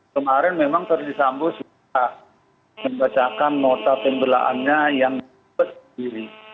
kemarin memang ferdi sambu suka membacakan nota pembelaannya yang berdiri